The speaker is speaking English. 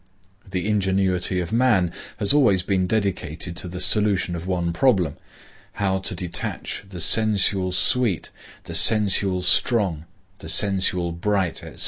The ingenuity of man has always been dedicated to the solution of one problem,—how to detach the sensual sweet, the sensual strong, the sensual bright, etc.